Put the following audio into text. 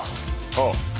ああ。